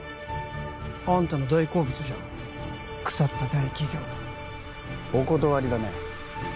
あんたの大好物じゃん腐った大企業お断りだね